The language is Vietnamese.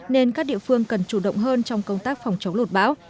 nên các địa phương cần chủ động hơn trong công tác phòng chống lụt bão